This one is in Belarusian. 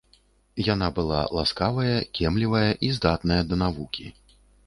Яна была ласкавая, кемлівая і здатная да навукі